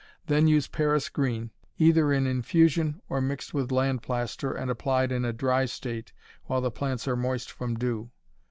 Then use Paris green, either in infusion, or mixed with land plaster, and applied in a dry state while the plants are moist from dew.